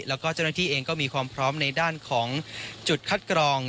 แล้วก็เจ้าหน้าที่เองก็มีความพร้อมในด้านของจุดคัดกรอง